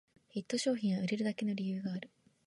ヒット商品は売れるだけの理由がある